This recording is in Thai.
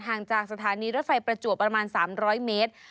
จากสถานีรถไฟประจวบประมาณ๓๐๐เมตร